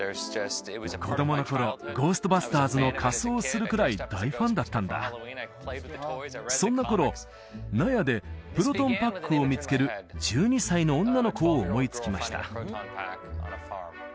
子供の頃「ゴーストバスターズ」の仮装をするくらい大ファンだったんだそんな頃納屋でプロトンパックを見つける１２歳の女の子を思いつきました